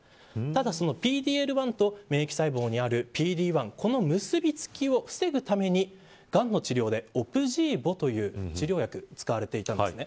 ただＰＤ‐Ｌ１と免疫細胞にあるＰＤ‐１この結び付きを防ぐためにがんの治療でオプジーボという治療薬が使われていたんです。